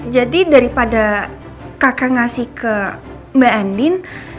jadi daripada kakak ngasih ke mbak andin